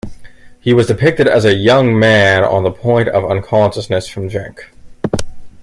He was depicted as a young man on the point of unconsciousness from drink.